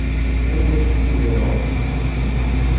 Anda tettttidiṛeḍ?